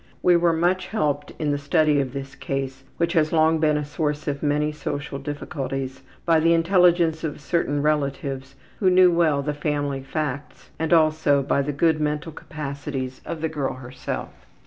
We were much helped in the study of this case, which has long been a source of many social difficulties, by the intelligence of certain relatives who knew well the family facts, and also by the good mental capacities of the girl herself.